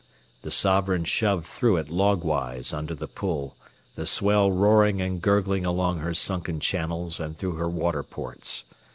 The Sovereign shoved through it log wise under the pull, the swell roaring and gurgling along her sunken channels and through her water ports.